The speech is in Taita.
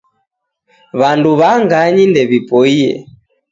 W'andu w'a nganyi ndew'ipoie